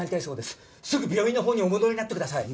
すぐ病院のほうにお戻りになってください。